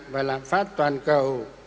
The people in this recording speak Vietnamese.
và lãng phát toàn cầu